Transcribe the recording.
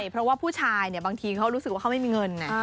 เพราะว่าผู้ชายบางทีเขารู้สึกว่าเขาไม่มีเงิน